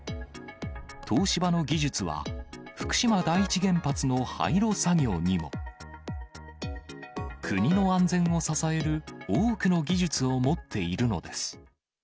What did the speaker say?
東芝の技術は、福島第一原発の廃炉作業にも。国の安全を支える多くの技術を持っているのです。